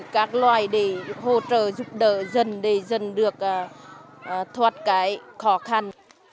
các loài để hỗ trợ giúp đỡ dân để dân được thoát cái khó khăn